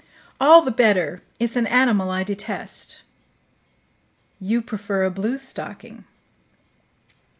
"All the better. It's an animal I detest." "You prefer a bluestocking."